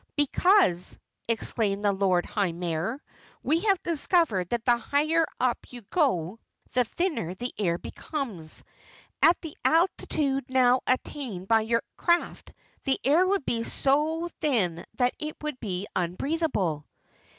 "Because," exclaimed the Lord High Mayor, "we have discovered that the higher up you go, the thinner the air becomes. At the altitude now attained by your craft, the air would be so thin that it would be unbreathable."